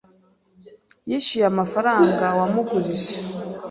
Yishyuye amafaranga wamugurije?